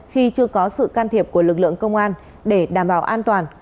khi chưa có sự can thiệp của lực lượng công an để đảm bảo an toàn